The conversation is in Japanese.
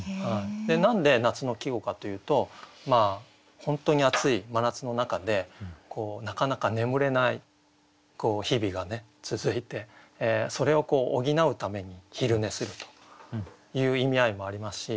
何で夏の季語かというと本当に暑い真夏の中でなかなか眠れない日々がね続いてそれを補うために昼寝するという意味合いもありますし。